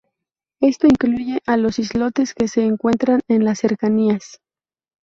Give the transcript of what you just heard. Esto incluye a los islotes que se encuentran en las cercanías.